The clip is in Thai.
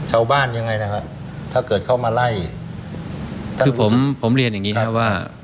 ยังไงนะฮะถ้าเกิดเข้ามาไล่คือผมผมเรียนอย่างงี้ครับว่า